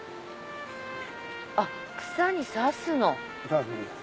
あっ草に刺すの。